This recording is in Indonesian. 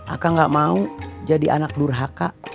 aka gak mau jadi anak durhaka